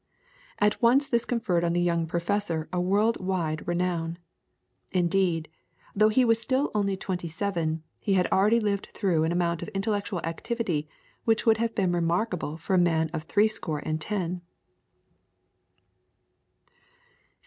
At once this conferred on the young professor a world wide renown. Indeed, though he was still only twenty seven, he had already lived through an amount of intellectual activity which would have been remarkable for a man of threescore and ten.